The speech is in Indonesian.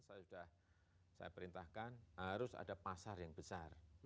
saya sudah saya perintahkan harus ada pasar yang besar